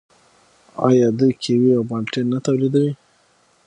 آیا دوی کیوي او مالټې نه تولیدوي؟